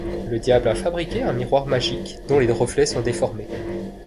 Le diable a fabriqué un miroir magique, dont les reflets sont déformés.